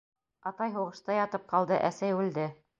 — Атай һуғышта ятып ҡалды, әсәй үлде.